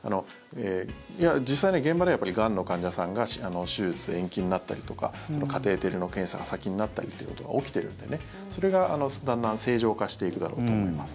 実際に現場ではやっぱり、がんの患者さんが手術延期になったりとかカテーテルの検査が先になったりっていうことが起きてるのでそれがだんだん正常化していくだろうと思います。